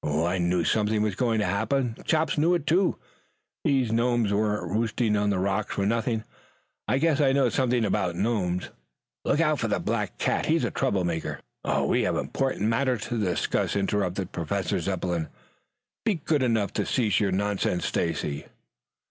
"I knew something was going to happen. Chops knew it, too. Those gnomes weren't roosting on the rocks for nothing. I guess I know something about gnomes. Look out for the black cat. He's a trouble maker." "We have important matters to discuss," interrupted Professor Zepplin. "Be good enough to cease your nonsense, Stacy."